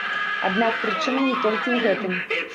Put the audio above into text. Аднак прычына не толькі ў гэтым.